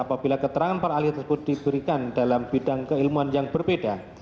apabila keterangan para ahli tersebut diberikan dalam bidang keilmuan yang berbeda